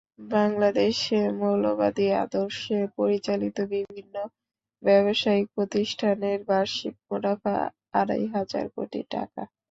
বাংলাদেশে মৌলবাদী আদর্শে পরিচালিত বিভিন্ন ব্যবসায়িক প্রতিষ্ঠানের বার্ষিক মুনাফা আড়াই হাজার কোটি টাকা।